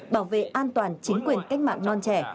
bảo vệ an toàn chính quyền cách mạng non trẻ